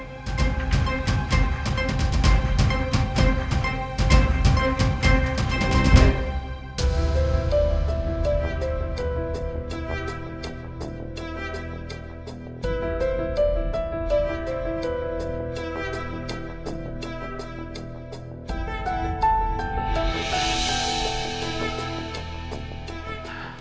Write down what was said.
terima kasih pak